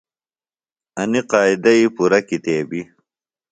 انِیۡ قائدئی پُرہ کتیبِیۡ۔